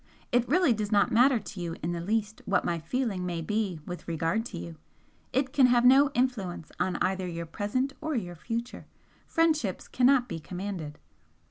It really does not matter to you in the least what my feeling may be with regard to you, it can have no influence on either your present or your future. Friendships cannot be commanded."